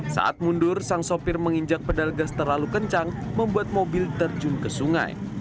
saat mundur sang sopir menginjak pedal gas terlalu kencang membuat mobil terjun ke sungai